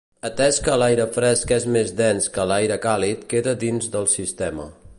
Atès que l'aire fresc és més dens que l'aire càlid queda dins del sistema.